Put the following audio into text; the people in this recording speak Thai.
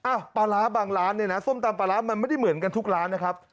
ปลาร้าบางร้านเนี่ยนะส้มตำปลาร้ามันไม่ได้เหมือนกันทุกร้านนะครับ